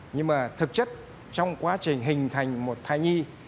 nhưng mà thực chất trong quá trình hình thành một thai nhi